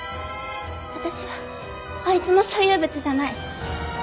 私はあいつの所有物じゃない。